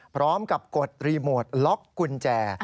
พร้อมกับกดรีโมทล็อกกุญแจ